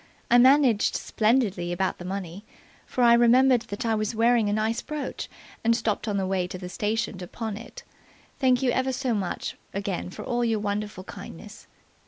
I managed splendidly about the money, for I remembered that I was wearing a nice brooch, and stopped on the way to the station to pawn it. "Thank you ever so much again for all your wonderful kindness.